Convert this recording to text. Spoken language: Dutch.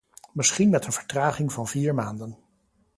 Misschien met een vertraging van vier maanden.